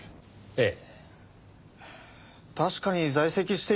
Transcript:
ええ。